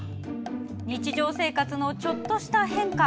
日常生活のちょっとした変化。